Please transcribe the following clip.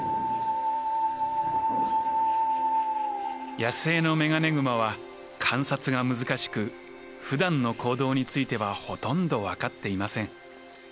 野生のメガネグマは観察が難しくふだんの行動についてはほとんど分かっていません。